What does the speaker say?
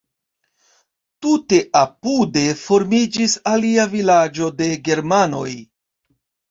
Tute apude formiĝis alia vilaĝo de germanoj.